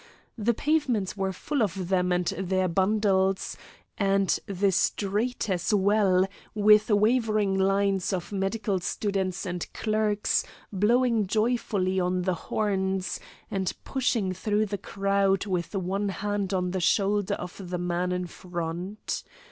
The pavements were full of them and their bundles, and the street as well, with wavering lines of medical students and clerks blowing joyfully on the horns, and pushing through the crowd with one hand on the shoulder of the man in front.